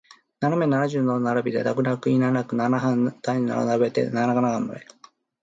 斜め七十七度の並びで泣く泣くいななくナナハン七台難なく並べて長眺め